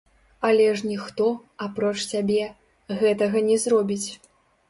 Але ж ніхто, апроч цябе, гэтага не зробіць.